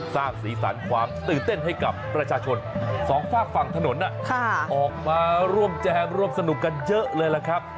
สร้างสีสันความตื่นเต้นให้กับประชาชนสองฝากฝั่งถนนออกมาร่วมแจมร่วมสนุกกันเยอะเลยล่ะครับ